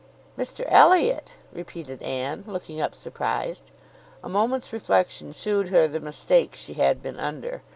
"Mr Elliot!" repeated Anne, looking up surprised. A moment's reflection shewed her the mistake she had been under.